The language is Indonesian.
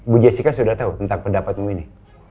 bu jessica sudah tahu tentang pendapatmu ini